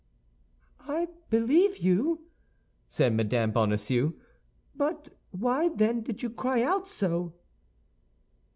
"I believe you," said Mme. Bonacieux; "but why, then, did you cry out so?"